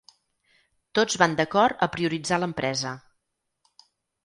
Tots van d’acord a prioritzar l’empresa.